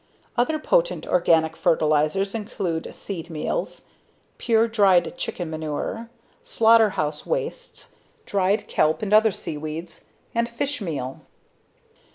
Other potent organic fertilizers include seed meals; pure, dried chicken manure; slaughterhouse wastes; dried kelp and other seaweeds; and fish meal.